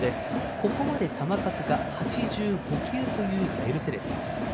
ここまで球数が８５球というメルセデス。